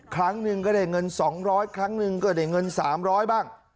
ครั้งหนึ่งก็ได้เงิน๒๐๐ครั้งหนึ่งก็ได้เงิน๓๐๐บ้าง